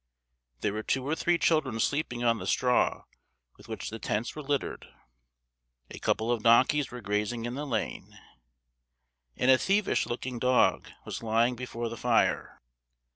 There were two or three children sleeping on the straw with which the tents were littered; a couple of donkeys were grazing in the lane, and a thievish looking dog was lying before the fire.